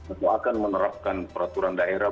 atau akan menerapkan peraturan daerah